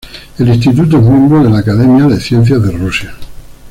El instituto es miembro de la Academia de Ciencias de Rusia.